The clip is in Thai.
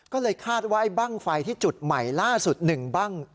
ก็เลยคาดว่าไอ้บ้างไฟที่จุดใหม่ล่าสุดหนึ่งบ้าง